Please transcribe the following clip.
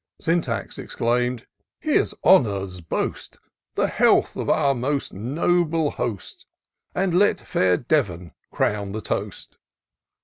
Syntax exclaim'd, " Here's Honour's boast ; The health of our most noble Host — And let fair Devon crown the toast."